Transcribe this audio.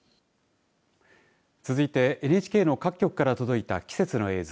続いてＮＨＫの各局から届いた季節の映像